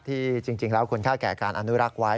ที่จริงแล้วคุณค่าแก่การอนุรักษ์ไว้